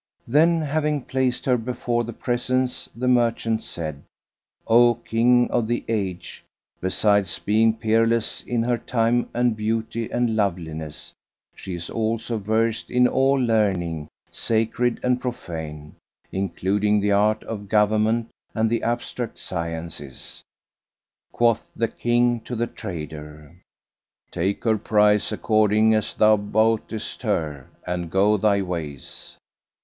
Then, having placed her before the presence, the merchant said, "O King of the age, besides being peerless in her time and beauty and loveliness, she is also versed in all learning, sacred and profane, including the art of government and the abstract sciences." Quoth the King to the trader, "Take her price, according as thou boughtest her, and go thy ways."